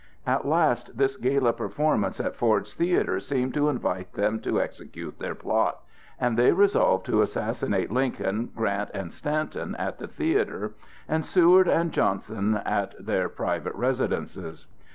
At last this gala performance at Ford's Theatre seemed to invite them to execute their plot, and they resolved to assassinate Lincoln, Grant, and Stanton at the theatre, and Seward and Johnson at their private residences.